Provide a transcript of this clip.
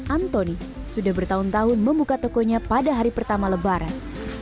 antoni sudah bertahun tahun membuka tokonya pada hari pertama lebaran